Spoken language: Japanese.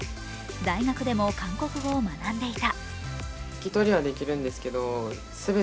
大学でも韓国語を学んでいた。